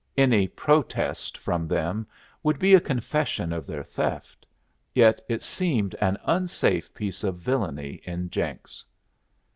Any protest from them would be a confession of their theft. Yet it seemed an unsafe piece of villany in Jenks.